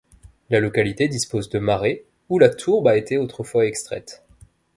La localité dispose de marais où la tourbe a été autrefois extraite.